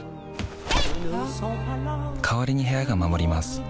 代わりに部屋が守ります